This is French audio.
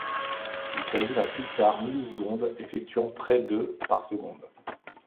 Il s'agit d'un pulsar milliseconde effectuant près de par seconde.